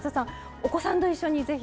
お子さんと一緒にぜひ。